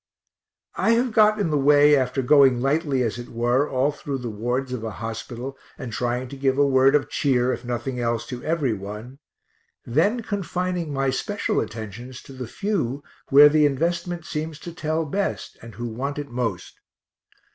I have got in the way, after going lightly, as it were, all through the wards of a hospital, and trying to give a word of cheer, if nothing else, to every one, then confining my special attentions to the few where the investment seems to tell best, and who want it most.